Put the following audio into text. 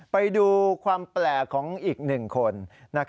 ไปดูความแปลกของอีกหนึ่งคน